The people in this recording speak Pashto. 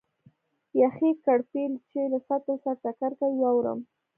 د یخې کړپی چې له سطل سره ټکر کوي، واورم.